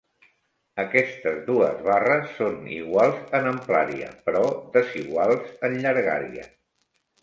Aquestes dues barres són iguals en amplària, però desiguals en llargària.